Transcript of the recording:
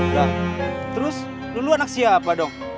ya terus lulu anak siapa dong